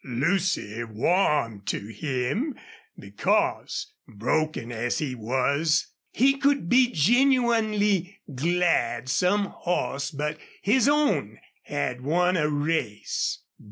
Lucy warmed to him because, broken as he was, he could be genuinely glad some horse but his own had won a race.